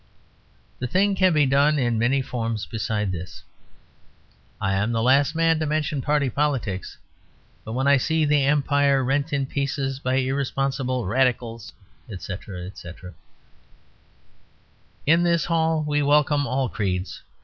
The thing can be done in many forms besides this. "I am the last man to mention party politics; but when I see the Empire rent in pieces by irresponsible Radicals," etc. "In this hall we welcome all creeds.